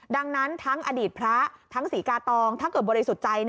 ดังนั้นทั้งอดีตพระทั้งศรีกาตองถ้าเกิดบริสุทธิ์ใจ